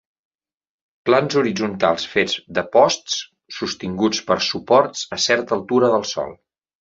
Plans horitzontals fets de posts sostinguts per suports a certa altura del sòl.